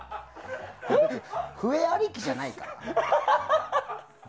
笛ありきじゃないから。